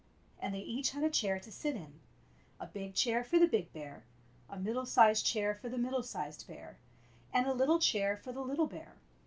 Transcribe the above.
And they each had a chair to sit in — a big chair for the big bear, a middle sized chair for the middle sized bear, and a little chair for the little bear.